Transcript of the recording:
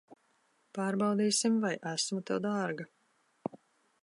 Pārbaudīsim, vai esmu tev dārga.